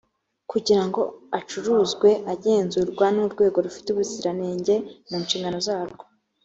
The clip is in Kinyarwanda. kugira ngo acuruzwe agenzurwa n urwego rufite ubuziranenge munshingano zarwo